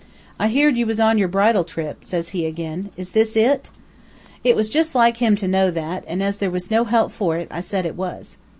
'I heared you was on your bridal trip,' says he ag'in; 'is this it?' It was jus' like him to know that, an' as there was no help for it, I said it was.